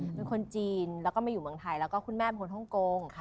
เป็นคนจีนแล้วก็มาอยู่เมืองไทยแล้วก็คุณแม่เป็นคนฮ่องกง